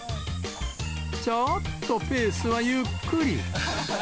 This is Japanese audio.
ちょっとペースはゆっくり。